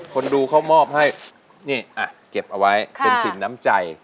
คนดูเขามอบให้นี่เก็บเอาไว้เป็นสินน้ำใจ